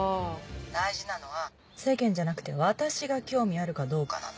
大事なのは世間じゃなくて私が興味あるかどうかなの。